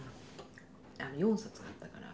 ４冊あったから。